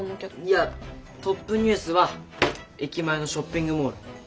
いやトップニュースは駅前のショッピングモール。